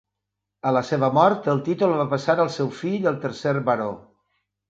A la seva mort, el títol va passar al seu fill, el tercer Baró.